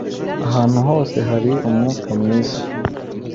Ahantu hose hari'umwuka mwiza